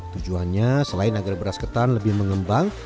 tujuannya selain agar beras ketan lebih mengembang